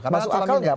masuk akal nggak